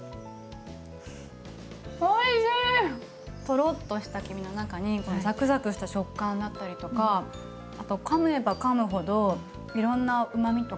トロッとした黄身の中にザクザクした食感だったりとかあとかめばかむほどいろんなうまみとか。